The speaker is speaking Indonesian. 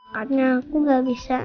karena aku gak bisa